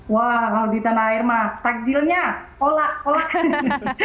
wah kalau di tanah air mas takjilnya olah olah